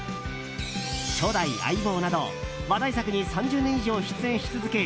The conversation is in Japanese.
初代「相棒」など話題作に３０年以上出演し続け